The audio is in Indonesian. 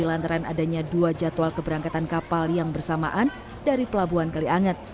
lantaran adanya dua jadwal keberangkatan kapal yang bersamaan dari pelabuhan kalianget